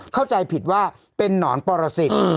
เข้าใจผิดว่าเป็นนอนปรสิทธิ์